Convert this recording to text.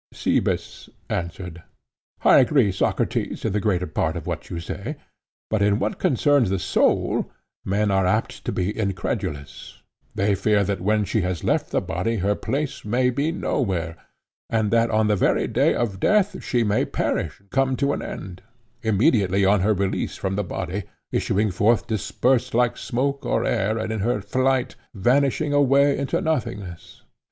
Cebes answered: I agree, Socrates, in the greater part of what you say. But in what concerns the soul, men are apt to be incredulous; they fear that when she has left the body her place may be nowhere, and that on the very day of death she may perish and come to an end—immediately on her release from the body, issuing forth dispersed like smoke or air and in her flight vanishing away into nothingness.